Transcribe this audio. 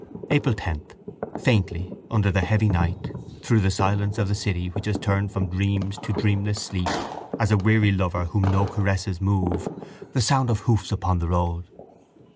April 10. Faintly, under the heavy night, through the silence of the city which has turned from dreams to dreamless sleep as a weary lover whom no caresses move, the sound of hoofs upon the road.